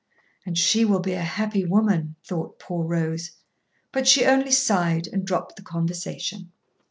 And she will be a happy woman, thought poor Rose. But she only sighed and dropped the conversation.